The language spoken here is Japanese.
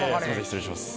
失礼します。